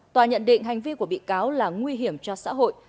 tòa nhận định hành vi của bị cáo là nguy hiểm cho xã hội